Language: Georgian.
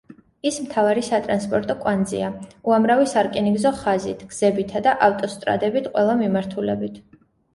ის მთავარი სატრანსპორტო კვანძია, უამრავი სარკინიგზო ხაზით, გზებითა და ავტოსტრადებით ყველა მიმართულებით.